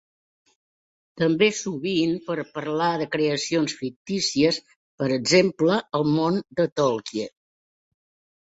També, sovint, per a parlar de creacions fictícies; per exemple, el món de Tolkien.